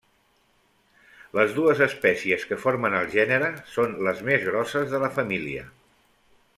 Les dues espècies que formen el gènere són les més grosses de la família.